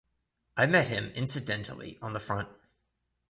I met him incidentally on the front.